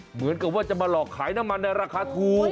เหมือนกับว่าจะมาหลอกขายน้ำมันในราคาถูก